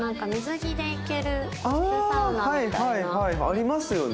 ありますよね。